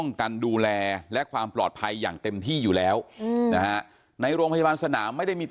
นี่นี่นี่นี่นี่นี่นี่นี่นี่นี่